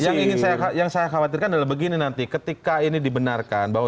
saya kawas itu pernyataan yang saya khawatirkan adalah begini nanti ketika ini dibenarkan bahwa